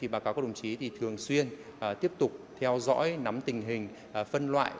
bà cáo các đồng chí thường xuyên tiếp tục theo dõi nắm tình hình phân loại